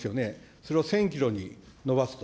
それを１０００キロにのばすと。